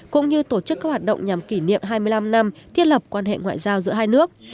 cũng như tổ chức các hoạt động nhằm kỷ niệm hai mươi năm năm thiết lập quan hệ ngoại giao giữa hai nước